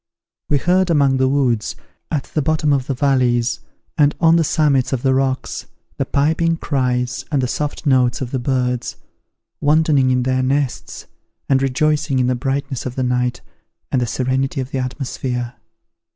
We heard among the woods, at the bottom of the valleys, and on the summits of the rocks, the piping cries and the soft notes of the birds, wantoning in their nests, and rejoicing in the brightness of the night and the serenity of the atmosphere.